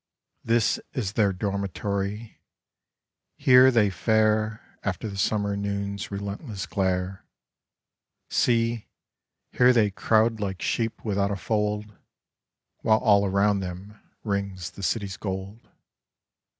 This is their dormitory; here they fare After the Summer noon's relentless glare. See I here they crowd like sheep without a fold, While all around them rings the city's gold.